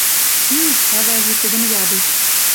«Кӱ? — ӓвӓжӹ тӹдӹм ядеш. —